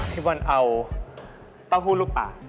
พี่บอลเอาเต้าหู้รูปปาก